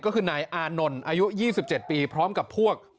ก็คือนายอานนท์อายุยี่สิบเจ็ดปีพร้อมกับพวก